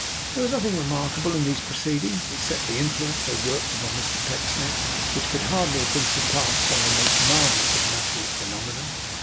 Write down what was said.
There was nothing remarkable in these proceedings, except the influence they worked on Mr Pecksniff, which could hardly have been surpassed by the most marvellous of natural phenomena.